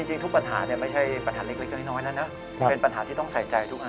จริงทุกปัญหาไม่ใช่ปัญหาเล็กน้อยแล้วนะเป็นปัญหาที่ต้องใส่ใจทุกอัน